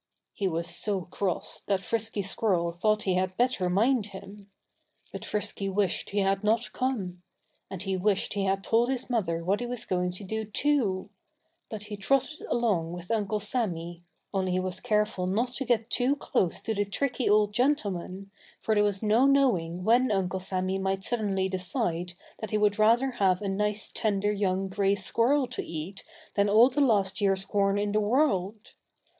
He was so cross that Frisky Squirrel thought he had better mind him. But Frisky wished he had not come. And he wished he had told his mother what he was going to do, too. But he trotted along with Uncle Sammy only he was careful not to get too close to the tricky old gentleman, for there was no knowing when Uncle Sammy might suddenly decide that he would rather have a nice, tender, young gray squirrel to eat than all the last year's corn in the world.